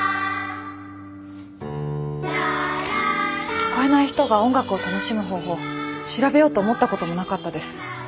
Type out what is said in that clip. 聞こえない人が音楽を楽しむ方法調べようと思ったこともなかったです。